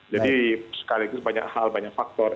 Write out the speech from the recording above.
jadi sekaligus banyak hal banyak faktor